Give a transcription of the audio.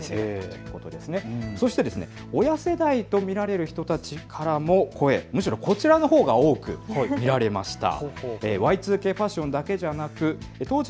そして親世代と見られる人たちからの声、むしろこちらのほうが多く見られました。